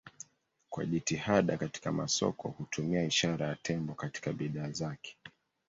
Kwa jitihada katika masoko hutumia ishara ya tembo katika bidhaa zake.